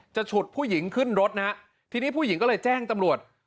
ฉุดผู้หญิงขึ้นรถนะฮะทีนี้ผู้หญิงก็เลยแจ้งตำรวจ